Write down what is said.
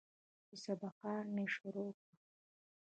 چې سبقان مې شروع کړل.